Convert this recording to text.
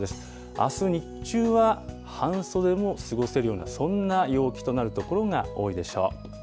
あす日中は半袖で過ごせるようなそんな陽気となる所が多いでしょう。